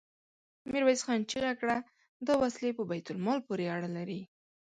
ميرويس خان چيغه کړه! دا وسلې په بيت المال پورې اړه لري.